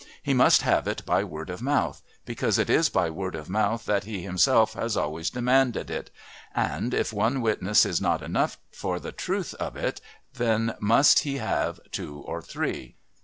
He must have it by word of mouth, because it is by word of mouth that he himself has always demanded it, and if one witness is not enough for the truth of it then must he have two or three.